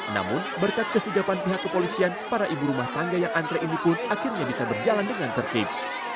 namun berkat kesigapan pihak kepolisian para ibu rumah tangga yang antre ini pun akhirnya bisa berjalan dengan tertib